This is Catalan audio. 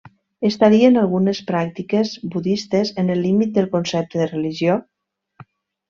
Estarien algunes pràctiques budistes en el límit del concepte de religió?